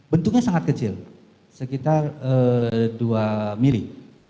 bentuknya sangat kecil sekitar dua mili